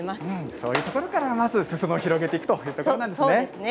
そういうところからまず佐世保を広げていくということなんですね。